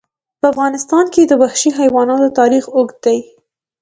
په افغانستان کې د وحشي حیواناتو تاریخ اوږد دی.